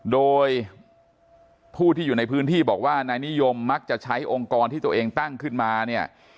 โดยผู้ที่อยู่ในพื้นที่บอกว่านายนิยมมักจะใช้องค์กรที่ตัวเองตั้งขึ้นมาเนี่ย